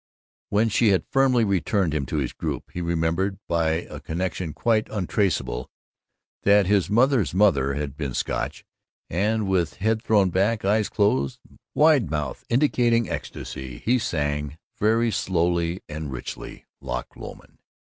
When she had firmly returned him to his group, he remembered, by a connection quite untraceable, that his mother's mother had been Scotch, and with head thrown back, eyes closed, wide mouth indicating ecstasy, he sang, very slowly and richly, "Loch Lomond."